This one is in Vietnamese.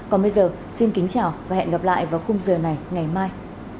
còn bây giờ xin kính chào và hẹn gặp lại vào khung giờ này ngày mai